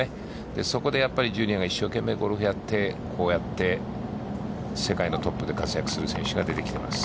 そこでジュニアが一生懸命ゴルフをやって、こうやって、世界のトップで活躍する選手が出てきています。